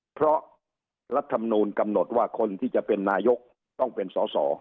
เพราะรัฐมนูลกำหนดว่าคนที่จะเป็นนายกต้องเป็นสอสอ